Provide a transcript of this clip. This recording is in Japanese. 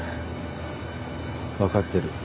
わかってる。